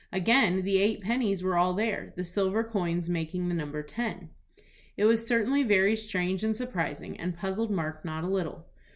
Again, the eight pennies were all there, the silver coins making the number ten. It was certainly very strange and surprising, and puzzled Mark not a little.